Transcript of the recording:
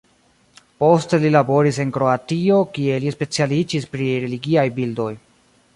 Poste li laboris en Kroatio kie li specialiĝis pri religiaj bildoj.